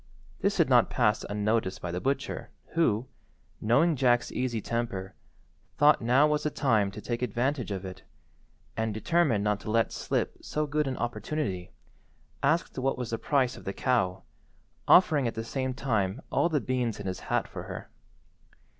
This did not pass unnoticed by the butcher, who, knowing Jack's easy temper, thought now was the time to take advantage of it, and, determined not to let slip so good an opportunity, asked what was the price of the cow, offering at the same time all the beans in his hat for her.